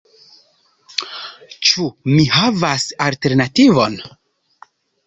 Ĉu mi havas alternativon?